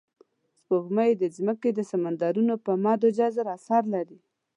سپوږمۍ د ځمکې د سمندرونو پر مد او جزر اثر لري